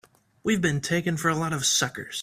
We've been taken for a lot of suckers!